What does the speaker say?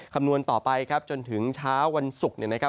คำนวณต่อไปจนถึงเช้าวันศุกร์